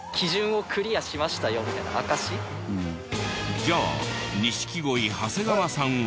じゃあ錦鯉長谷川さんは？